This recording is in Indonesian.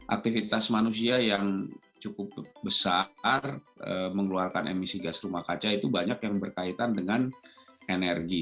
aktivitas manusia yang cukup besar mengeluarkan emisi gas rumah kaca itu banyak yang berkaitan dengan energi